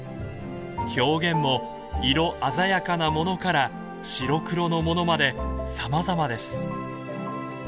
表現も色鮮やかなものから白黒のものまでさまざまです。